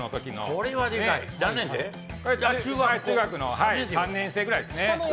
これは中学の３年生ぐらいですね。